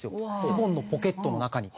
ズボンのポケットの中に。